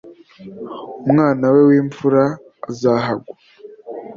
umwana we w'imfura azahagwa